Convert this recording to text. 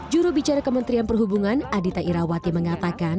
juru bicara kementerian perhubungan adita irawati mengatakan